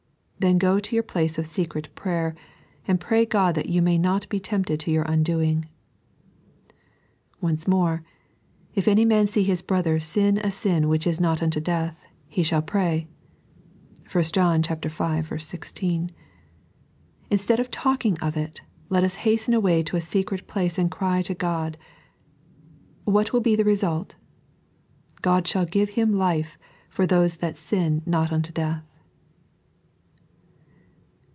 Then go to your place of secret prayer, and pray God that you may not be tempted to your undoing. Once more :" If any man see his brother sin a sin which is not unto death, he shall pray " (1 John v. 16). Instead of talking of it, let us hasten away to a secret place and cry to God. What will be the result? "God ahall give him life for those that sin not unto death."